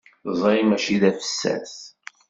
Ẓẓay mačči d afessas.